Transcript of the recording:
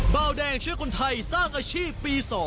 เบาแดงช่วยคนไทยสร้างอาชีพปี๒